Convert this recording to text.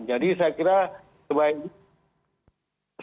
jadi saya kira sebaiknya